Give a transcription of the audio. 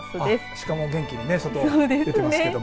鹿も元気に外出てますけど。